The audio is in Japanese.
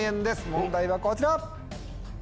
問題はこちら。